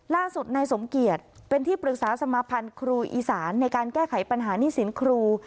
ล่าสุดนายสมเกียจเป็นที่ปรึกษาสมาภัณฑ์ครูอีสานในการแก้ไขปัญหานี่สินครู